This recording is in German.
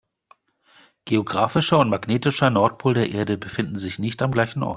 Geographischer und magnetischer Nordpol der Erde befinden sich nicht am gleichen Ort.